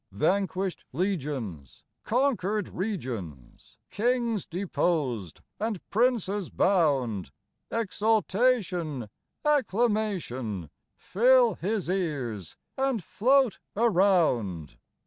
Vanquished legions, conquered regions, Kings deposed, and princes bound ; Exultation, acclamation, Fill His ears, and float around.